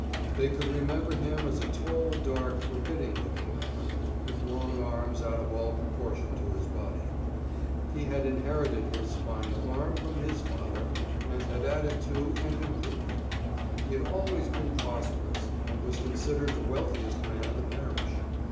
They could remember him as a tall, dark, forbidding looking man, with long arms out of all proportion to his body. He had inherited his fine farm from his father, and had added to and improved it. He had always been prosperous, and was considered the wealthiest man in the parish.